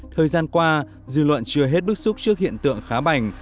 thời gian qua dư luận chưa hết bức xúc trước hiện tượng khám bảnh